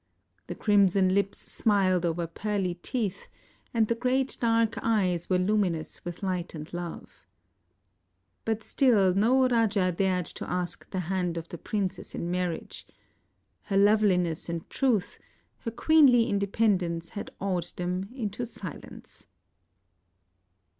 The crimson lips smiled over pearly teeth and the great dark eyes were luminous ■^ith light and love. But still no raja dared to ask the hand of the princess in 12 SAVITRI'S CHOICE marriage. Her loveliness and truth, her queenly inde pendence had awed them into silence.